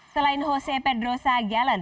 selain jose pedro sagialan